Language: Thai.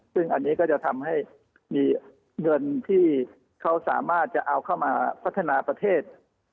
ซึ่งอันนี้ก็จะทำให้มีเงินที่เขาสามารถจะเอาเข้ามาพัฒนาประเทศ